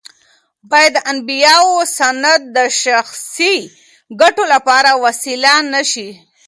باید د انبیاوو سنت د شخصي ګټو لپاره وسیله نه شي.